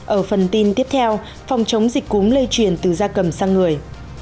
ở phần tin tiếp theo phòng chống dịch cúm lây truyền từ da cầm sang người